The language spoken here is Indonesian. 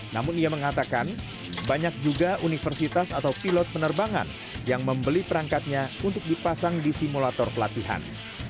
namun ia mengatakan banyak juga universitas atau pilot penerbangan yang membeli perangkatnya untuk dipasang di simulator pelatihan